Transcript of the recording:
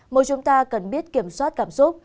mỗi chúng ta cần biết kiểm soát cảm xúc